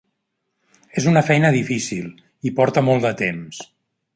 És una feina difícil, i porta molt de temps!